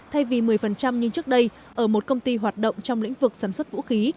thay vì một mươi như trước đây ở một công ty hoạt động trong lĩnh vực sản xuất vũ khí